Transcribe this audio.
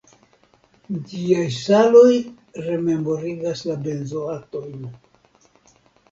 Ĝiaj saloj rememorigas la benzoatojn.